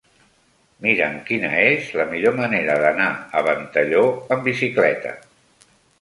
Mira'm quina és la millor manera d'anar a Ventalló amb bicicleta.